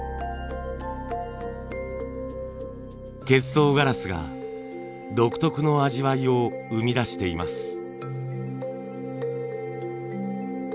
結霜ガラスが独特の味わいを生み出しています。